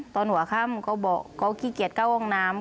ตอนหัวค่ำเขาบอกเขาขี้เกียจเข้าห้องน้ำ